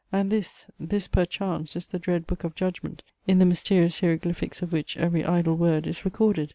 And this, this, perchance, is the dread book of judgment, in the mysterious hieroglyphics of which every idle word is recorded!